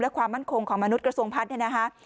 และความมั่นคงของมนุษย์กระทรวงพัฒน์